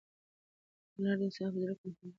هنر د انسان په زړه کې د محبت او لورینې تخم کري.